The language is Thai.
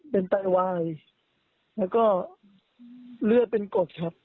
เป็นไตวายแล้วก็เลือดเป็นกบครับ